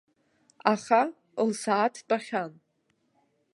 Аха, лсааҭ тәахьан.